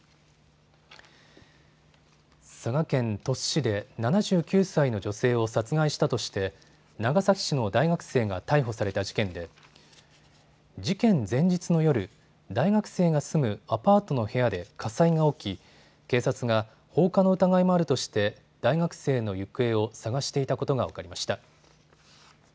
佐賀県鳥栖市で７９歳の女性を殺害したとして長崎市の大学生が逮捕された事件で事件前日の夜、大学生が住むアパートの部屋で火災が起き警察が放火の疑いもあるとして大学生の行方を捜していたことが分かりました。